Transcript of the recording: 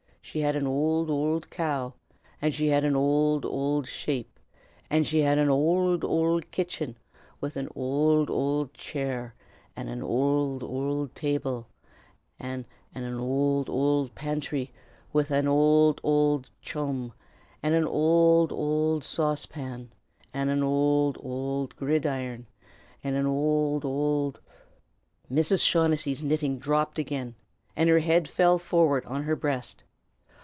she had an owld, owld cow, an' she had an owld, owld shape, an' she had an owld, owld kitchen wid an owld, owld cheer an' an owld, owld table, an' an owld, owld panthry wid an owld, owld churn, an' an owld, owld sauce pan, an' an owld, owld gridiron, an' an owld, owld " Mrs. O'Shaughnessy's knitting dropped again, and her head fell forward on her breast.